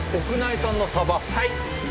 はい。